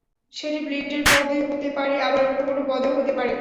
সেটি ব্লিন্ডের পদে হতে পারে, আবার অন্য কোনো পদেও হতে পারে।